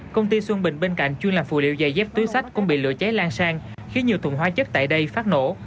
công ty xuân bình bên cạnh chuyên làm phụ liệu giày dép túi sách cũng bị lửa cháy lan sang khiến nhiều thùng hóa chất tại đây phát nổ